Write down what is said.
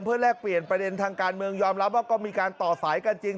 เพื่อแลกเปลี่ยนประเด็นทางการเมืองยอมรับว่าก็มีการต่อสายกันจริง